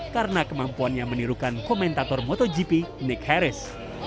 karena kemampuannya menirukan komentator motogp nick harris